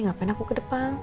ngapain aku ke depan